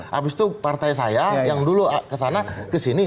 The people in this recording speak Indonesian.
habis itu partai saya yang dulu kesana kesini